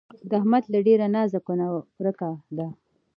د احمد له ډېره نازه کونه ورکه ده.